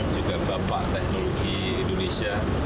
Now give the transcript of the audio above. juga bapak teknologi indonesia